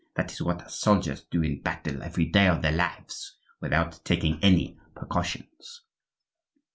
That is what soldiers do in battle every day of their lives, without taking any precautions."